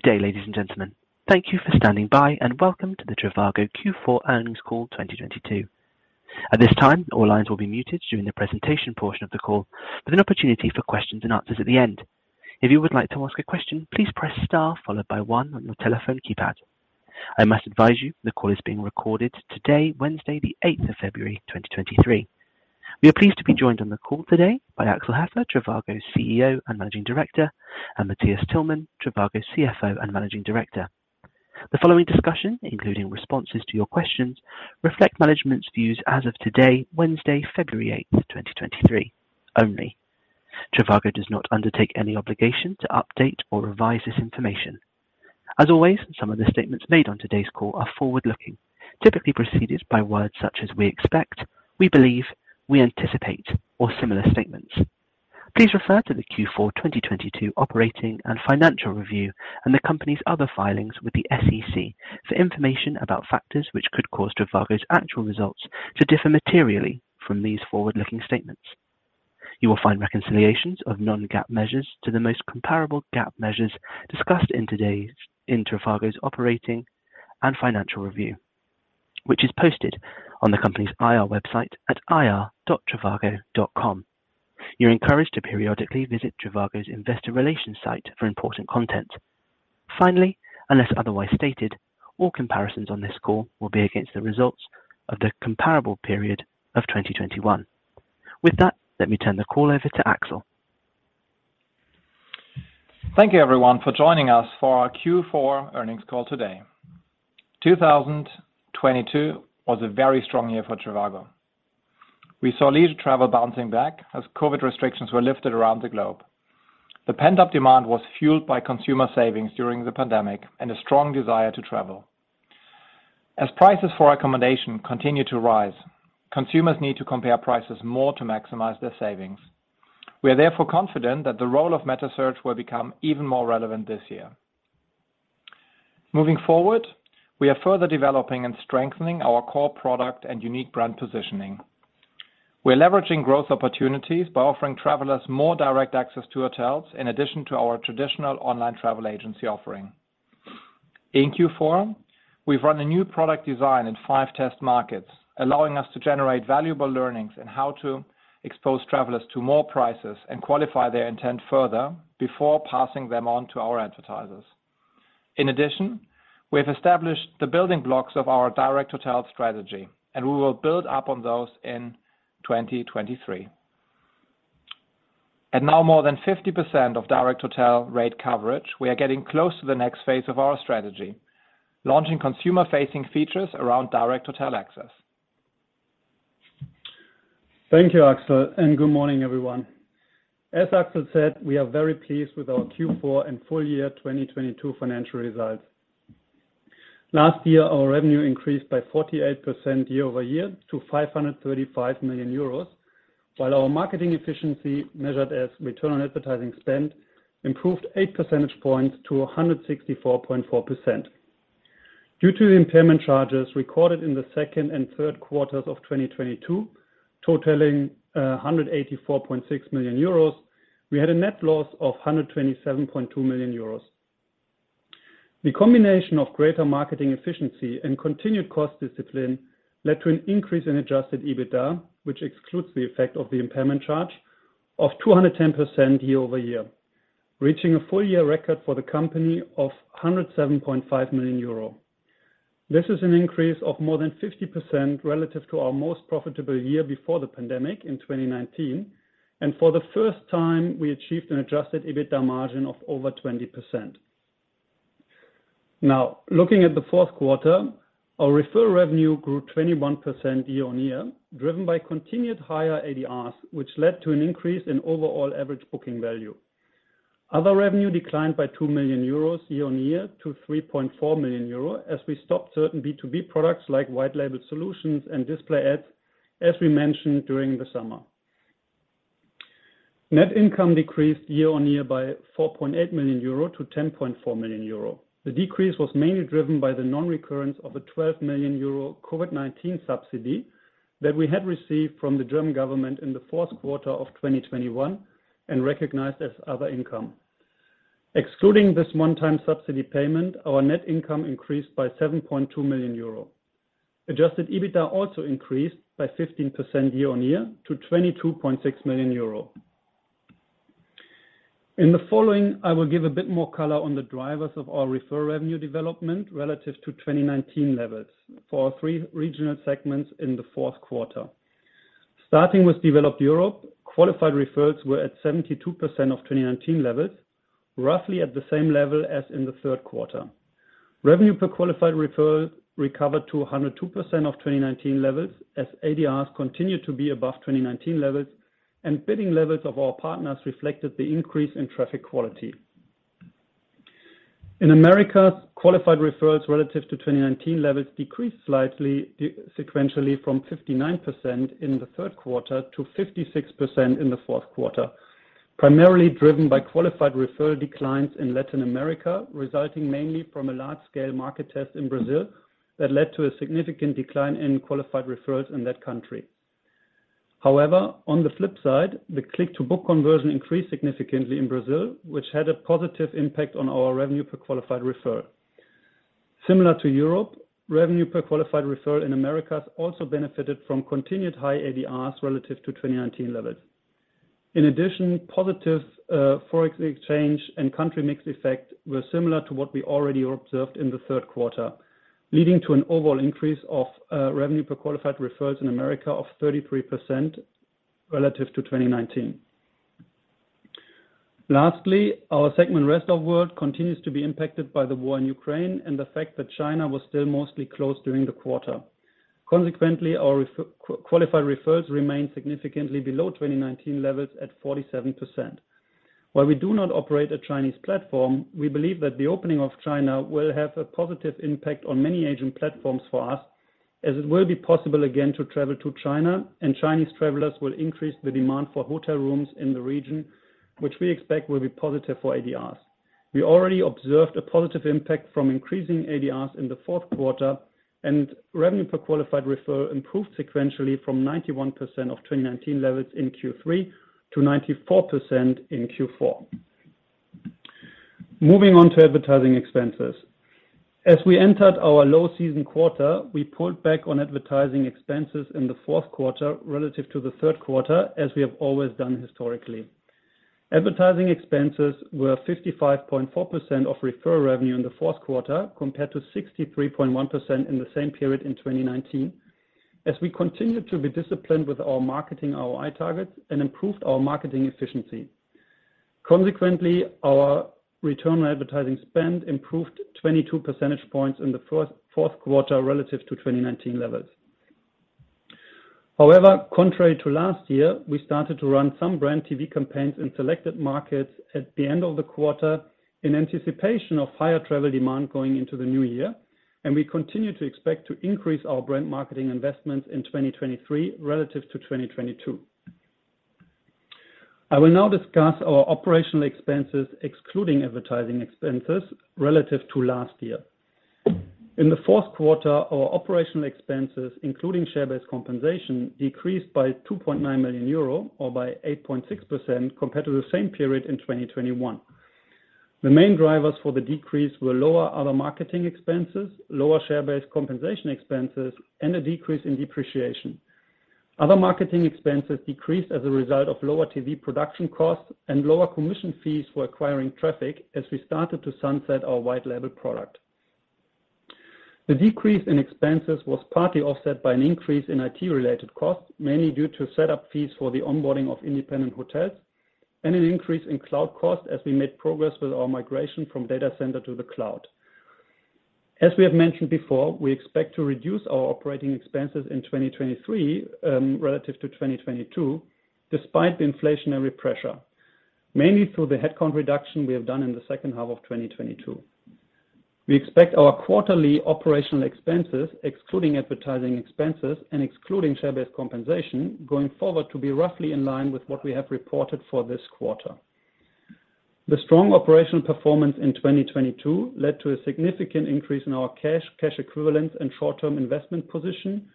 Good day, ladies and gentlemen. Thank you for standing by, and welcome to the trivago Q4 earnings call 2022. At this time, all lines will be muted during the presentation portion of the call, with an opportunity for questions and answers at the end. If you would like to ask a question, please press star followed by one on your telephone keypad. I must advise you the call is being recorded today, Wednesday, the 8th of February 2023. We are pleased to be joined on the call today by Axel Hefer, trivago's CEO and Managing Director, and Matthias Tillmann, trivago's CFO and Managing Director. The following discussion, including responses to your questions, reflect management's views as of today, Wednesday, February 8, 2023 only. trivago does not undertake any obligation to update or revise this information. As always, some of the statements made on today's call are forward-looking, typically preceded by words such as we expect, we believe, we anticipate, or similar statements. Please refer to the Q4 2022 operating and financial review and the company's other filings with the SEC for information about factors which could cause trivago's actual results to differ materially from these forward-looking statements. You will find reconciliations of non-GAAP measures to the most comparable GAAP measures discussed in today's in trivago's operating and financial review, which is posted on the company's IR website at ir.trivago.com. You're encouraged to periodically visit trivago's investor relations site for important content. Finally, unless otherwise stated, all comparisons on this call will be against the results of the comparable period of 2021. With that, let me turn the call over to Axel. Thank you, everyone, for joining us for our Q4 earnings call today. 2022 was a very strong year for trivago. We saw leisure travel bouncing back as COVID restrictions were lifted around the globe. The pent-up demand was fueled by consumer savings during the pandemic and a strong desire to travel. As prices for accommodation continue to rise, consumers need to compare prices more to maximize their savings. We are therefore confident that the role of metasearch will become even more relevant this year. Moving forward, we are further developing and strengthening our core product and unique brand positioning. We're leveraging growth opportunities by offering travelers more direct access to hotels in addition to our traditional online travel agency offering. In Q four, we've run a new product design in five test markets, allowing us to generate valuable learnings in how to expose travelers to more prices and qualify their intent further before passing them on to our advertisers. In addition, we have established the building blocks of our direct hotel strategy, and we will build up on those in 2023. At now more than 50% of direct hotel rate coverage, we are getting close to the next phase of our strategy, launching consumer-facing features around direct hotel access. Thank you, Axel. Good morning, everyone. As Axel said, we are very pleased with our Q4 and full year 2022 financial results. Last year, our revenue increased by 48% year-over-year to 535 million euros, while our marketing efficiency, measured as return on advertising spend, improved 8 percentage points to 164.4%. Due to the impairment charges recorded in the second and third quarters of 2022, totaling 184.6 million euros, we had a net loss of 127.2 million euros. The combination of greater marketing efficiency and continued cost discipline led to an increase in adjusted EBITDA, which excludes the effect of the impairment charge of 210% year-over-year, reaching a full-year record for the company of 107.5 million euro. This is an increase of more than 50% relative to our most profitable year before the pandemic in 2019. For the first time, we achieved an adjusted EBITDA margin of over 20%. Looking at the fourth quarter, our refer revenue grew 21% year-on-year, driven by continued higher ADRs, which led to an increase in overall average booking value[ Other revenue declined by 2 million euros year-on-year to 3.4 million euro, as we stopped certain B2B products like white label solutions and display ads, as we mentioned during the summer. Net income decreased year-on-year by 4.8 million euro to 10.4 million euro. The decrease was mainly driven by the non-recurrence of a 12 million euro COVID-19 subsidy that we had received from the German government in the fourth quarter of 2021 and recognized as other income. Excluding this one-time subsidy payment, our net income increased by 7.2 million euro. Adjusted EBITDA also increased by 15% year-on-year to 22.6 million euro. In the following, I will give a bit more color on the drivers of our refer revenue development relative to 2019 levels for three regional segments in the fourth quarter. Starting with developed Europe, qualified referrals were at 72% of 2019 levels, roughly at the same level as in the third quarter. Revenue per qualified referral recovered to 102% of 2019 levels as ADRs continued to be above 2019 levels and bidding levels of our partners reflected the increase in traffic quality. In Americas, qualified referrals relative to 2019 levels decreased slightly sequentially from 59% in the third quarter to 56% in the fourth quarter, primarily driven by qualified referral declines in Latin America, resulting mainly from a large-scale market test in Brazil. That led to a significant decline in qualified referrals in that country. On the flip side, the click-to-book conversion increased significantly in Brazil, which had a positive impact on our revenue per qualified referral. Similar to Europe, revenue per qualified referral in Americas also benefited from continued high ADRs relative to 2019 levels. Positive forex exchange and country mix effect were similar to what we already observed in the third quarter, leading to an overall increase of revenue per qualified referrals in America of 33% relative to 2019. Lastly, our segment, Rest of World, continues to be impacted by the war in Ukraine and the fact that China was still mostly closed during the quarter. Consequently, our qualified referrals remain significantly below 2019 levels at 47%. While we do not operate a Chinese platform, we believe that the opening of China will have a positive impact on many Asian platforms for us as it will be possible again to travel to China and Chinese travelers will increase the demand for hotel rooms in the region, which we expect will be positive for ADRs. We already observed a positive impact from increasing ADRs in the fourth quarter, and revenue per qualified referral improved sequentially from 91% of 2019 levels in Q3 to 94% in Q4. Moving on to advertising expenses. As we entered our low season quarter, we pulled back on advertising expenses in the fourth quarter relative to the third quarter, as we have always done historically. Advertising expenses were 55.4% of referral revenue in the fourth quarter, compared to 63.1% in the same period in 2019, as we continued to be disciplined with our marketing ROI targets and improved our marketing efficiency. Consequently, our return on advertising spend improved 22 percentage points in the first-fourth quarter relative to 2019 levels. Contrary to last year, we started to run some brand TV campaigns in selected markets at the end of the quarter in anticipation of higher travel demand going into the new year, and we continue to expect to increase our brand marketing investments in 2023 relative to 2022. I will now discuss our operational expenses excluding advertising expenses relative to last year. In the fourth quarter, our operational expenses, including share-based compensation, decreased by 2.9 million euro or by 8.6% compared to the same period in 2021. The main drivers for the decrease were lower other marketing expenses, lower share-based compensation expenses, and a decrease in depreciation. Other marketing expenses decreased as a result of lower TV production costs and lower commission fees for acquiring traffic as we started to sunset our white label product. The decrease in expenses was partly offset by an increase in IT-related costs, mainly due to set up fees for the onboarding of independent hotels and an increase in cloud costs as we made progress with our migration from data center to the cloud. As we have mentioned before, we expect to reduce our operating expenses in 2023 relative to 2022, despite the inflationary pressure, mainly through the headcount reduction we have done in the second half of 2022. We expect our quarterly operational expenses, excluding advertising expenses and excluding share-based compensation, going forward to be roughly in line with what we have reported for this quarter. The strong operational performance in 2022 led to a significant increase in our cash equivalent and short-term investment position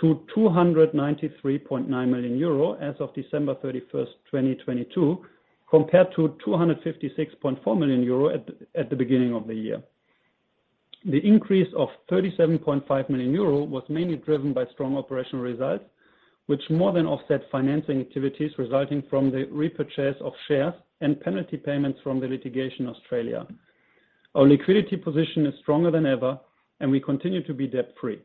to 293.9 million euro as of December 31st, 2022, compared to 256.4 million euro at the beginning of the year. The increase of 37.5 million euro was mainly driven by strong operational results, which more than offset financing activities resulting from the repurchase of shares and penalty payments from the litigation Australia. Our liquidity position is stronger than ever, and we continue to be debt-free.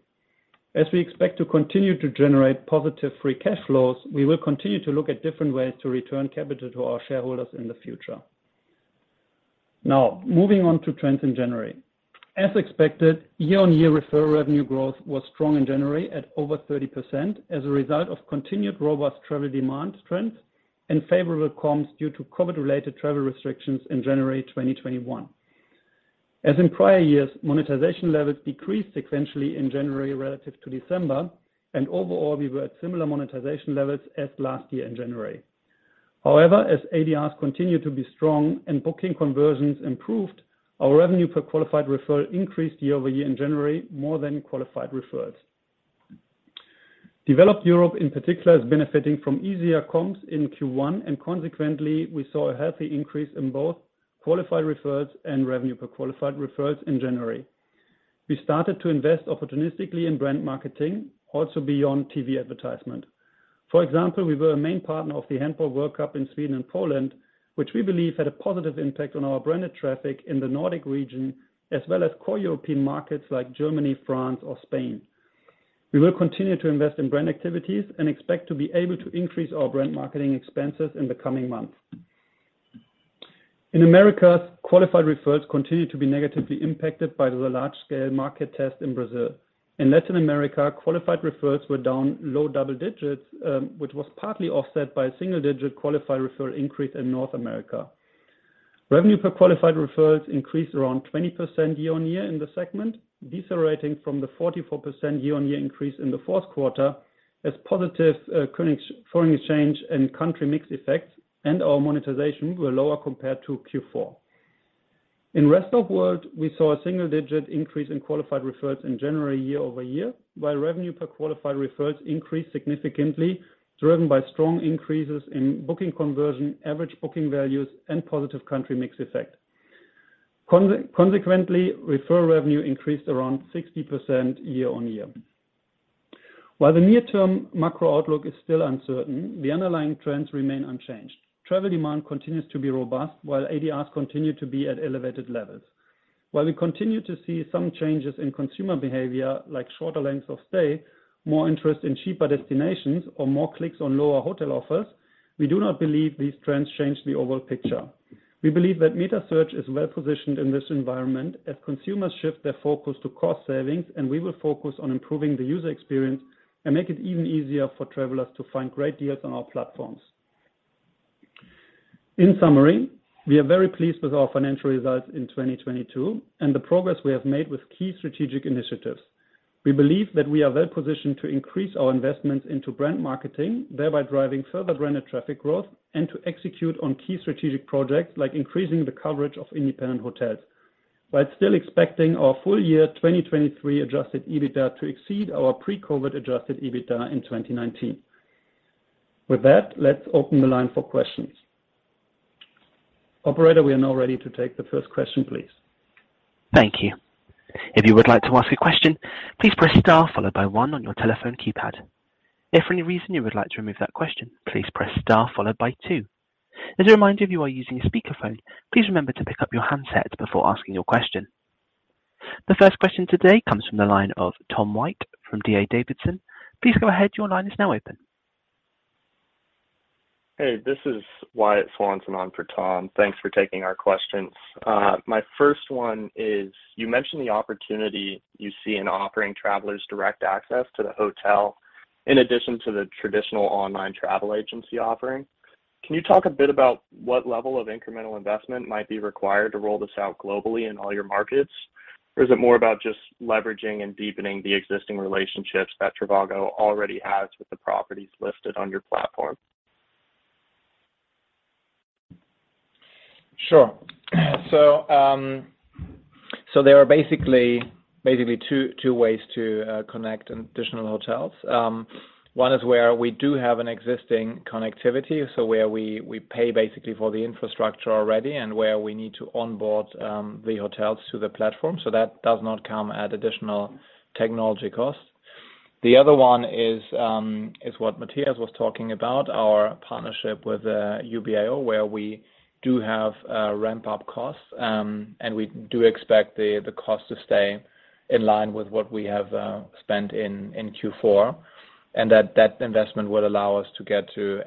As we expect to continue to generate positive free cash flows, we will continue to look at different ways to return capital to our shareholders in the future. Now, moving on to trends in January. As expected, year-on-year referral revenue growth was strong in January at over 30% as a result of continued robust travel demand trends and favorable comps due to COVID-related travel restrictions in January 2021. As in prior years, monetization levels decreased sequentially in January relative to December, and overall, we were at similar monetization levels as last year in January. As ADRs continued to be strong and booking conversions improved, our revenue per qualified referral increased year-over-year in January more than qualified referrals. Developed Europe in particular is benefiting from easier comps in Q1, and consequently, we saw a healthy increase in both qualified referrals and revenue per qualified referrals in January. We started to invest opportunistically in brand marketing, also beyond TV advertisement. For example, we were a main partner of the IHF Men's World Championship in Sweden and Poland, which we believe had a positive impact on our branded traffic in the Nordic region, as well as core European markets like Germany, France or Spain. We will continue to invest in brand activities and expect to be able to increase our brand marketing expenses in the coming months. In Americas, qualified referrals continued to be negatively impacted by the large-scale market test in Brazil. In Latin America, qualified referrals were down low double digits, which was partly offset by a single-digit qualified referral increase in North America. Revenue per qualified referrals increased around 20% year-on-year in the segment, decelerating from the 44% year-on-year increase in the fourth quarter as positive foreign exchange and country mix effects and our monetization were lower compared to Q4. In rest of world, we saw a single-digit increase in qualified referrals in January year-over-year, while revenue per qualified referrals increased significantly, driven by strong increases in booking conversion, average booking values, and positive country mix effect. Consequently, referral revenue increased around 60% year-on-year. While the near-term macro outlook is still uncertain, the underlying trends remain unchanged. Travel demand continues to be robust, while ADRs continue to be at elevated levels. While we continue to see some changes in consumer behavior like shorter lengths of stay, more interest in cheaper destinations or more clicks on lower hotel offers, we do not believe these trends change the overall picture. We believe that metasearch is well-positioned in this environment as consumers shift their focus to cost savings, and we will focus on improving the user experience and make it even easier for travelers to find great deals on our platforms. In summary, we are very pleased with our financial results in 2022 and the progress we have made with key strategic initiatives. We believe that we are well-positioned to increase our investments into brand marketing, thereby driving further branded traffic growth and to execute on key strategic projects like increasing the coverage of independent hotels, while still expecting our full year 2023 adjusted EBITDA to exceed our pre-COVID adjusted EBITDA in 2019. Let's open the line for questions. Operator, we are now ready to take the first question, please. Thank you. If you would like to ask a question, please press star followed by one on your telephone keypad. If for any reason you would like to remove that question, please press star followed by two. As a reminder, if you are using a speakerphone, please remember to pick up your handset before asking your question. The first question today comes from the line of Tom White from D.A. Davidson. Please go ahead. Your line is now open. Hey, this is Wyatt Swanson on for Tom. Thanks for taking our questions. My first one is, you mentioned the opportunity you see in offering travelers direct access to the hotel in addition to the traditional online travel agency offering. Can you talk a bit about what level of incremental investment might be required to roll this out globally in all your markets? Is it more about just leveraging and deepening the existing relationships that trivago already has with the properties listed on your platform? Sure. There are basically two ways to connect additional hotels. One is where we do have an existing connectivity, so where we pay basically for the infrastructure already and where we need to onboard the hotels to the platform. That does not come at additional technology costs. The other one is what Matthias was talking about, our partnership with UBIO, where we do have ramp-up costs, and we do expect the cost to stay in line with what we have spent in Q4. That investment will allow us to get to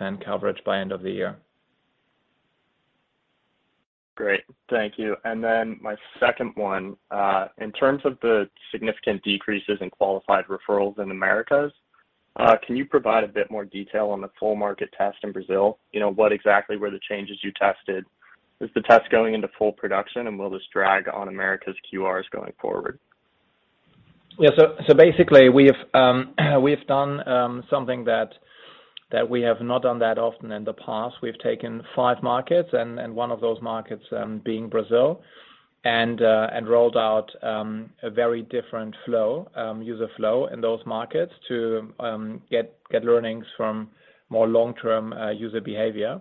80% coverage by end of the year. Great. Thank you. My second one. In terms of the significant decreases in qualified referrals in Americas, can you provide a bit more detail on the full market test in Brazil? You know, what exactly were the changes you tested? Is the test going into full production? Will this drag on America's QRs going forward? Basically we've done something that we have not done that often in the past. We've taken five markets and one of those markets being Brazil and rolled out a very different flow, user flow in those markets to get learnings from more long-term user behavior.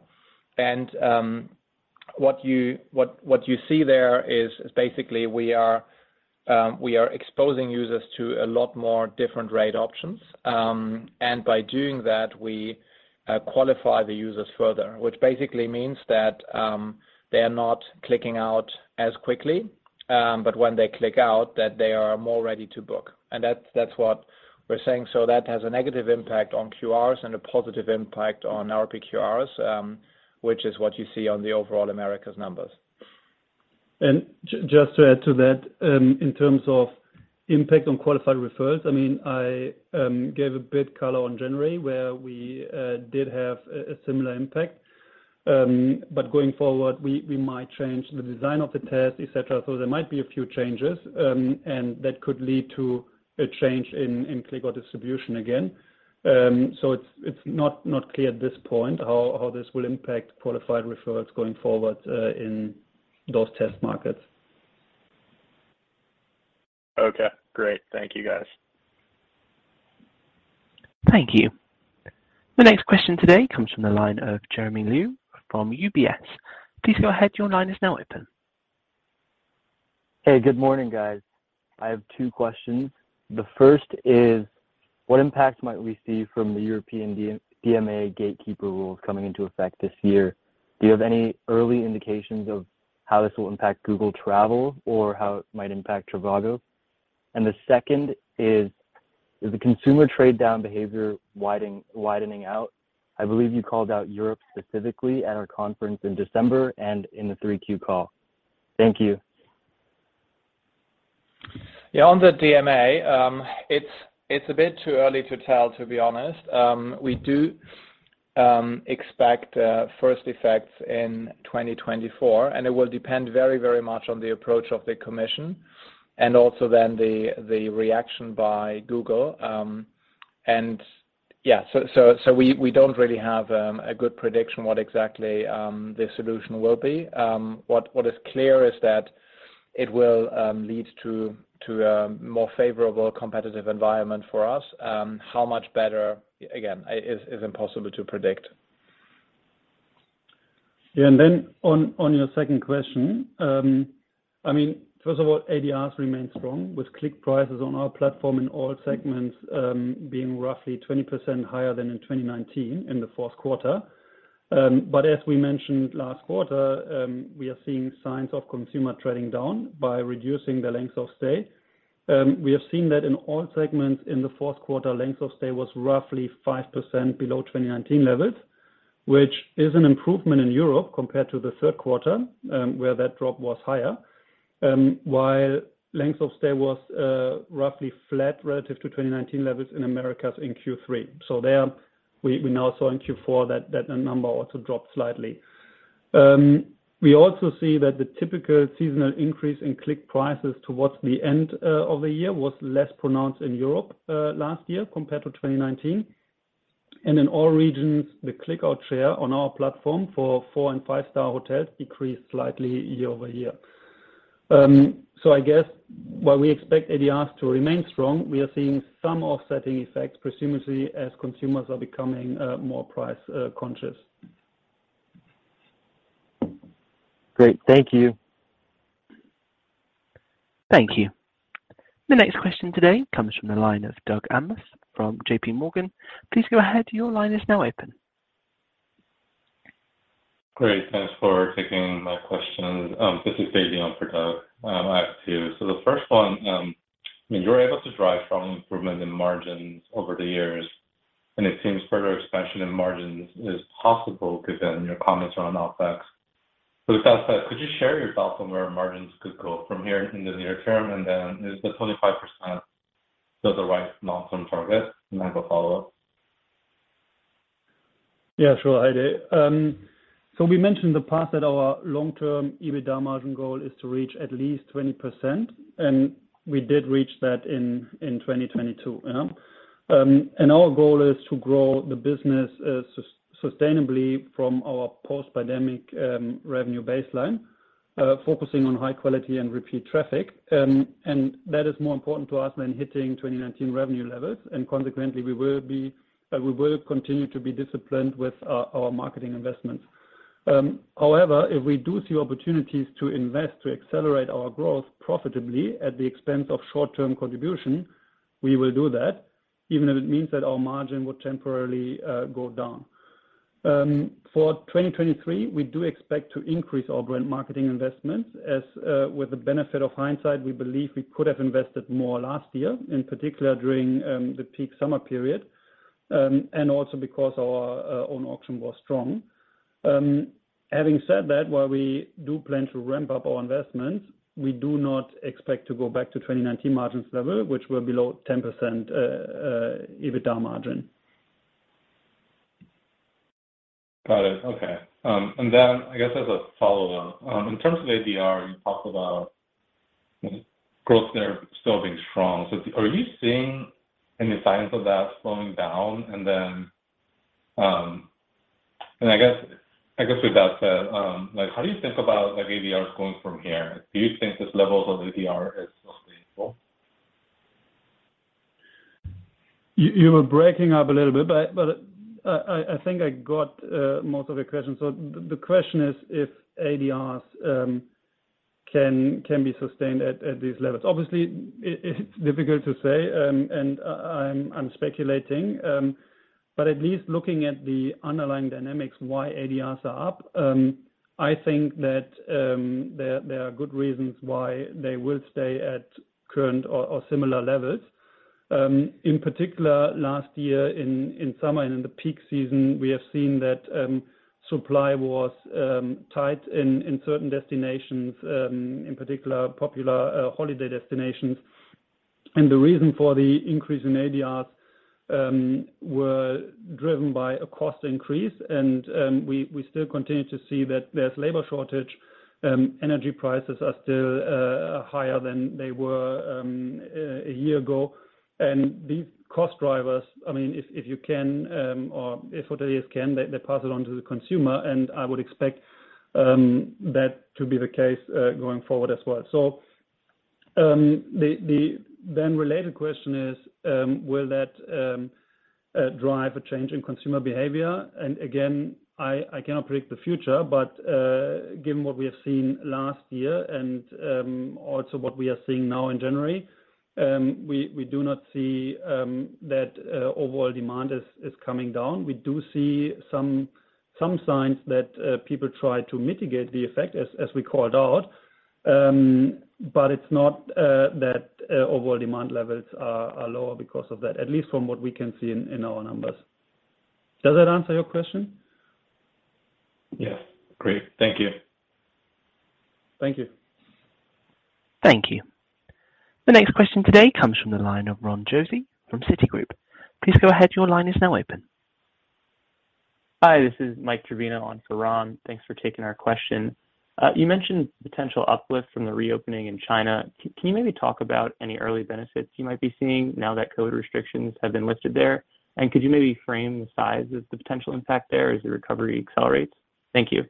What you see there is basically we are exposing users to a lot more different rate options. By doing that, we qualify the users further, which basically means that they are not clicking out as quickly. When they click out, that they are more ready to book. That's what we're saying. That has a negative impact on QRs and a positive impact on RPQRs, which is what you see on the overall Americas numbers. Just to add to that, in terms of impact on qualified referrals, I mean, I gave a bit color on January where we did have a similar impact. Going forward, we might change the design of the test, et cetera. There might be a few changes, and that could lead to a change in click or distribution again. It's not clear at this point how this will impact qualified referrals going forward in those test markets. Okay, great. Thank you, guys. Thank you. The next question today comes from the line of Jerry Liu from UBS. Please go ahead. Your line is now open. Hey, good morning, guys. I have two questions. The first is, what impact might we see from the European DMA gatekeeper rules coming into effect this year? Do you have any early indications of how this will impact Google Travel or how it might impact trivago? The second is the consumer trade-down behavior widening out? I believe you called out Europe specifically at our conference in December and in the three Q call. Thank you. Yeah. On the DMA, it's a bit too early to tell, to be honest. We do expect first effects in 2024, and it will depend very, very much on the approach of the Commission and also then the reaction by Google. Yeah, so we don't really have a good prediction what exactly the solution will be. What, what is clear is that it will lead to a more favorable competitive environment for us. How much better, again, is impossible to predict. Yeah. On your second question, I mean, first of all ADRs remain strong with click prices on our platform in all segments, being roughly 20% higher than in 2019 in the fourth quarter. As we mentioned last quarter, we are seeing signs of consumer trading down by reducing the length of stay. We have seen that in all segments in the fourth quarter, length of stay was roughly 5% below 2019 levels, which is an improvement in Europe compared to the third quarter, where that drop was higher. Length of stay was roughly flat relative to 2019 levels in Americas in Q3. There we now saw in Q4 that that number also dropped slightly. We also see that the typical seasonal increase in click prices towards the end of the year was less pronounced in Europe last year compared to 2019. In all regions, the click-out share on our platform for four and five-star hotels decreased slightly year-over-year. I guess while we expect ADRs to remain strong, we are seeing some offsetting effects, presumably as consumers are becoming more price conscious. Great. Thank you. Thank you. The next question today comes from the line of Doug Anmuth from JPMorgan. Please go ahead. Your line is now open. Great. Thanks for taking my question. This is Heidi on for Doug. I have two. The first one, I mean you're able to drive strong improvement in margins over the years, and it seems further expansion in margins is possible given your comments around OpEx. With that said, could you share your thoughts on where margins could go from here in the near term? Is the 25% still the right long-term target? I have a follow-up. Yeah, sure, Heidi. We mentioned in the past that our long-term EBITDA margin goal is to reach at least 20%, and we did reach that in 2022. You know? Our goal is to grow the business sustainably from our post-pandemic revenue baseline, focusing on high quality and repeat traffic. That is more important to us than hitting 2019 revenue levels, and consequently, we will be disciplined with our marketing investments. However, if we do see opportunities to invest to accelerate our growth profitably at the expense of short-term contribution, we will do that even if it means that our margin will temporarily go down. For 2023, we do expect to increase our brand marketing investments as with the benefit of hindsight, we believe we could have invested more last year, in particular during the peak summer period, and also because our own auction was strong. Having said that, while we do plan to ramp up our investments, we do not expect to go back to 2019 margins level, which were below 10% EBITDA margin. Got it. Okay. I guess as a follow-on, in terms of ADR, you talked about growth there still being strong. Are you seeing any signs of that slowing down? I guess with that said, like how do you think about like ADRs going from here? Do you think this level of ADR is sustainable? You were breaking up a little bit, but I think I got most of your question. The question is if ADRs can be sustained at these levels. Obviously it's difficult to say, and I'm speculating, but at least looking at the underlying dynamics why ADRs are up, I think that there are good reasons why they will stay at current or similar levels. In particular, last year in summer and in the peak season, we have seen that supply was tight in certain destinations, in particular popular holiday destinations. The reason for the increase in ADRs were driven by a cost increase. We still continue to see that there's labor shortage. Energy prices are still higher than they were a year ago. These cost drivers, I mean, if you can, or if hoteliers can, they pass it on to the consumer, and I would expect that to be the case going forward as well. The then related question is, will that drive a change in consumer behavior? Again, I cannot predict the future, but given what we have seen last year and also what we are seeing now in January, we do not see that overall demand is coming down. We do see some signs that people try to mitigate the effect as we called out. It's not that overall demand levels are lower because of that, at least from what we can see in our numbers. Does that answer your question? Yes. Great. Thank you. Thank you. Thank you. The next question today comes from the line of Ron Josey from Citigroup. Please go ahead. Your line is now open. Hi, this is Mike Trevino on for Ron. Thanks for taking our question. You mentioned potential uplift from the reopening in China. Can you maybe talk about any early benefits you might be seeing now that COVID restrictions have been lifted there? Could you maybe frame the size of the potential impact there as the recovery accelerates? Thank you.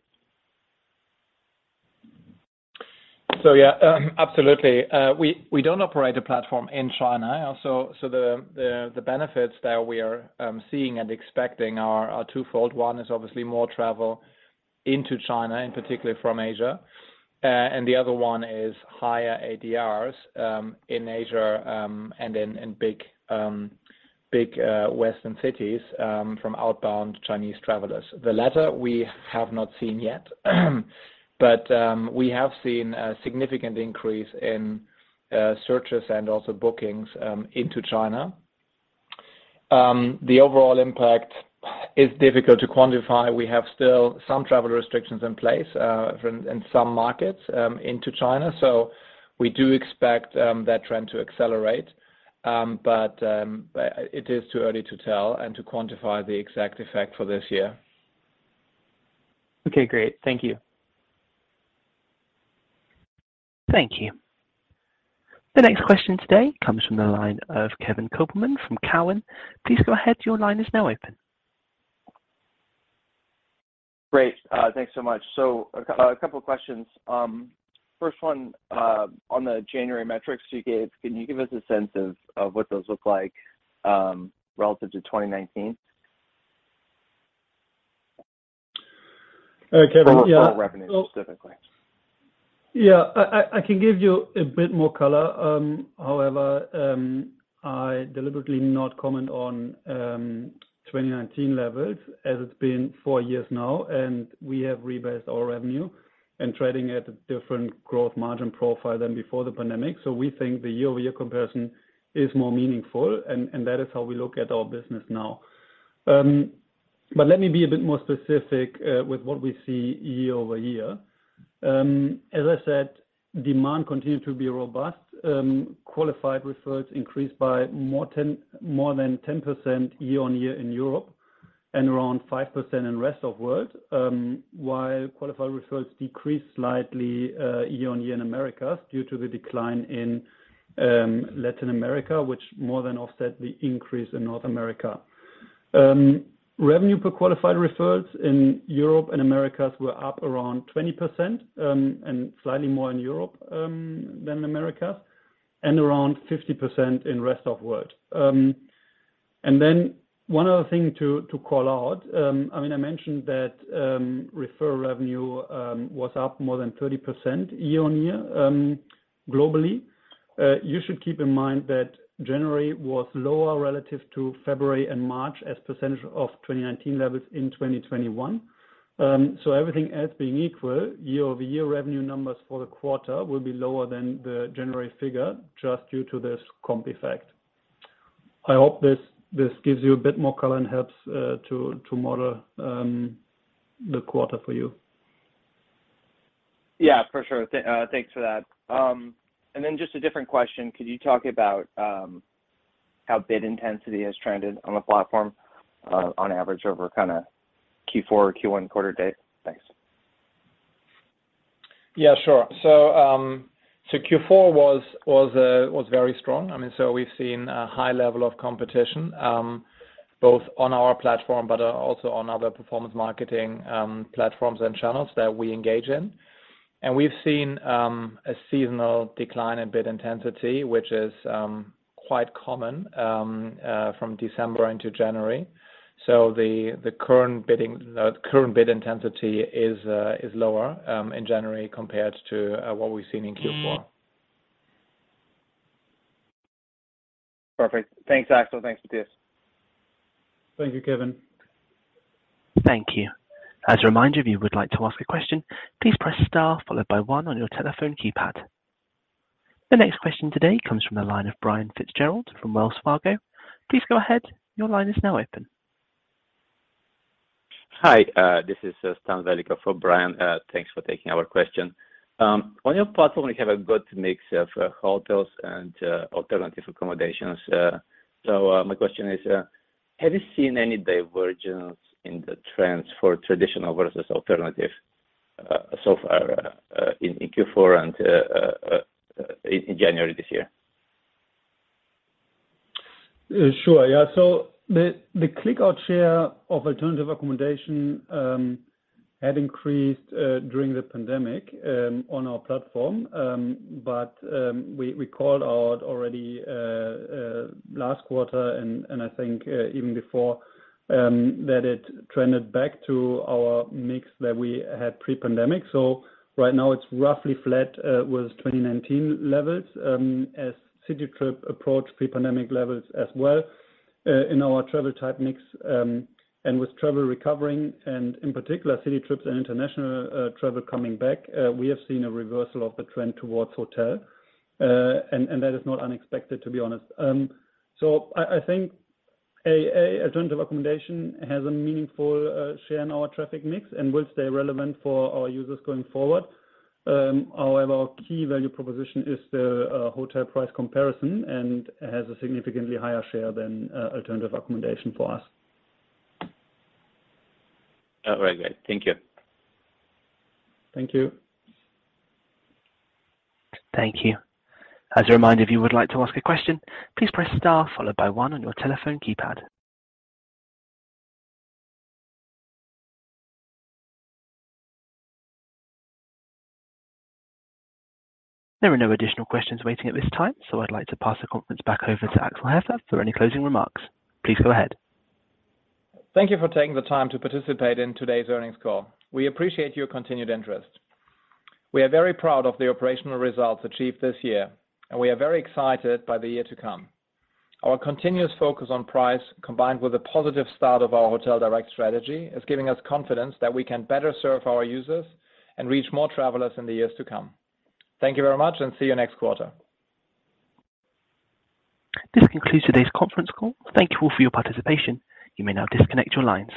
Yeah, absolutely. We, we don't operate a platform in China also. The, the benefits that we are seeing and expecting are twofold. One is obviously more travel into China and particularly from Asia. The other one is higher ADRs in Asia and in big, big Western cities from outbound Chinese travelers. The latter we have not seen yet. We have seen a significant increase in searches and also bookings into China. The overall impact is difficult to quantify. We have still some travel restrictions in place in some markets into China. We do expect that trend to accelerate. It is too early to tell and to quantify the exact effect for this year. Okay, great. Thank you. Thank you. The next question today comes from the line of Kevin Kopelman from Cowen. Please go ahead. Your line is now open. Great. Thanks so much. A couple of questions. First one, on the January metrics you gave, can you give us a sense of what those look like, relative to 2019? Kevin, yeah. Hotel revenue specifically. Yeah. I can give you a bit more color. However, I deliberately not comment on 2019 levels as it's been four years now, and we have rebased our revenue and trading at a different growth margin profile than before the pandemic. We think the year-over-year comparison is more meaningful and that is how we look at our business now. Let me be a bit more specific with what we see year-over-year. As I said, demand continued to be robust. Qualified referrals increased by more than 10% year-on-year in Europe and around 5% in rest of world. While qualified referrals decreased slightly year-on-year in America due to the decline in Latin America, which more than offset the increase in North America. Revenue per qualified referrals in Europe and Americas were up around 20%, and slightly more in Europe than Americas, and around 50% in rest of world. One other thing to call out, I mean, I mentioned that referral revenue was up more than 30% year-on-year globally. You should keep in mind that January was lower relative to February and March as percentage of 2019 levels in 2021. Everything else being equal, year-over-year revenue numbers for the quarter will be lower than the January figure just due to this comp effect. I hope this gives you a bit more color and helps to model the quarter for you. Yeah, for sure. Thanks for that. Just a different question. Could you talk about how bid intensity has trended on the platform, on average over kinda Q4, Q1 quarter date? Thanks. Yeah, sure. Q4 was very strong. I mean, we've seen a high level of competition, both on our platform but also on other performance marketing platforms and channels that we engage in. We've seen a seasonal decline in bid intensity, which is quite common from December into January. The current bid intensity is lower in January compared to what we've seen in Q4. Perfect. Thanks, Axel. Thanks, Matthias. Thank you, Kevin. Thank you. As a reminder, if you would like to ask a question, please press star followed by one on your telephone keypad. The next question today comes from the line of Brian Fitzgerald from Wells Fargo. Please go ahead. Your line is now open. Hi, this is Stan Velikov for Brian. Thanks for taking our question. On your platform, you have a good mix of hotels and alternative accommodations. My question is, have you seen any divergence in the trends for traditional versus alternative so far in Q4 and in January this year? Sure. Yeah. The, the click-out share of alternative accommodation had increased during the pandemic on our platform. We called out already last quarter and I think even before that it trended back to our mix that we had pre-pandemic. Right now it's roughly flat with 2019 levels as city trip approached pre-pandemic levels as well in our travel type mix. With travel recovering and in particular city trips and international travel coming back, we have seen a reversal of the trend towards hotel. That is not unexpected, to be honest. I think a alternative accommodation has a meaningful share in our traffic mix and will stay relevant for our users going forward. Our key value proposition is the hotel price comparison and has a significantly higher share than alternative accommodation for us. All right. Great. Thank you. Thank you. Thank you. As a reminder, if you would like to ask a question, please press star followed by one on your telephone keypad. There are no additional questions waiting at this time. I'd like to pass the conference back over to Axel Hefer for any closing remarks. Please go ahead. Thank you for taking the time to participate in today's earnings call. We appreciate your continued interest. We are very proud of the operational results achieved this year. We are very excited by the year to come. Our continuous focus on price, combined with the positive start of our hotel-direct strategy, is giving us confidence that we can better serve our users and reach more travelers in the years to come. Thank you very much. See you next quarter. This concludes today's conference call. Thank you all for your participation. You may now disconnect your lines.